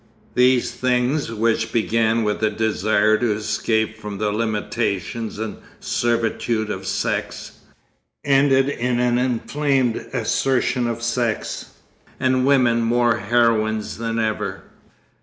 These things which began with a desire to escape from the limitations and servitude of sex, ended in an inflamed assertion of sex, and women more heroines than ever.